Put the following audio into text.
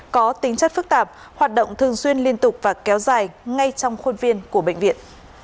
có tính chất phức tạp hoạt động thường xuyên liên tục và kéo dài ngay trong khuôn viên của bệnh viện